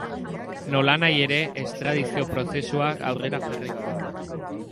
Nolanahi ere, estradizio prozesuak aurrera jarraitzen du.